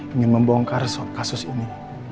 ingin membongkar kasus ini